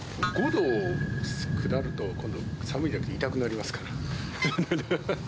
５度を下ると、今度寒いじゃなくて痛くなりますから。